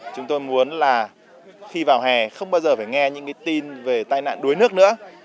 chúng tôi muốn là khi vào hè không bao giờ phải nghe những cái tin về tai nạn đuối nước nữa